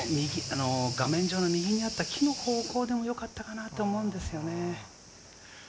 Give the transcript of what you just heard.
画面上、右にあった木の方向でもよかったかなって思うんですよね。